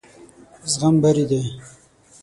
زغم بري دی.